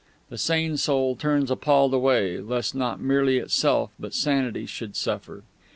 The sane soul turns appalled away, lest not merely itself, but sanity should suffer.